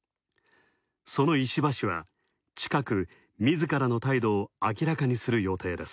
その石破氏は、近く自らの態度を明らかにする予定です。